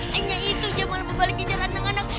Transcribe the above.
hanya itu dia mau balik ngejar anak anak